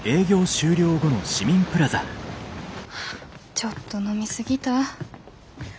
ちょっと飲み過ぎた。